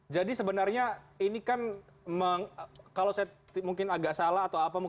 jadi sebenarnya ini kan kalau saya mungkin agak salah atau apa